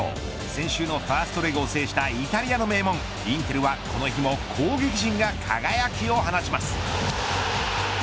先週のファーストレグを制したイタリアの名門インテルはこの日も攻撃陣が輝きを放ちます。